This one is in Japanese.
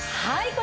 はい。